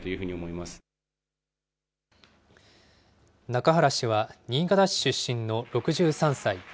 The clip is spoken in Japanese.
中原氏は新潟市出身の６３歳。